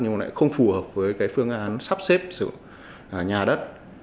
nhưng không phù hợp với phương án sắp xếp sử dụng nhà đất